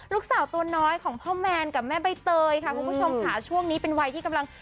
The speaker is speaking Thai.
ลูกสาวตัวน้อยของพ่อแมนกับแม่ใบเตยค่ะคุณผู้ชมค่ะช่วงนี้เป็นวัยที่กำลัง